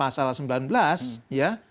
maka sesuai dengan pasal sembilan belas ya